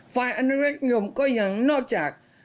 ฝ่ายอนุญาตมินิยมก็ยังนอกจาก